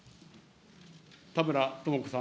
田村智子さん。